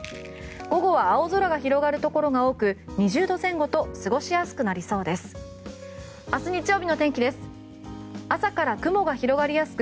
午後は青空が広がるところが多く２０度前後と過ごしやすくなりそうです。